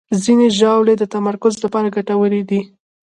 ځینې ژاولې د تمرکز لپاره ګټورې دي.